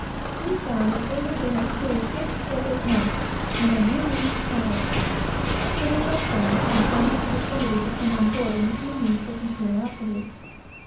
We found they had been at sea six or eight months, and had no news to tell us; so we left them, and promised to get liberty to come on board in the evening, for some curiosities, etc.